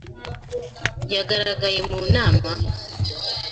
Yagaragaye mu nama?